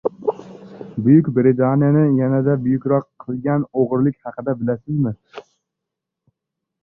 Buyuk Britaniyani yanada buyukroq qilgan o‘g‘rilik haqida bilasizmi?